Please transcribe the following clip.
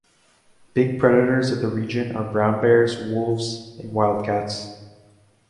Big predators of the region are brown bears, wolves and wildcats.